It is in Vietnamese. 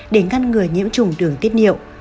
để ngăn ngừa nhiễm trùng đường tiết niệu